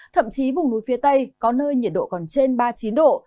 thậm chí vùng núi phía tây có nơi nhiệt độ còn trên ba mươi chín độ